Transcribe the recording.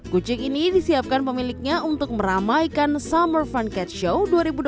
kucing ini disiapkan pemiliknya untuk meramaikan summer fun cat show dua ribu dua puluh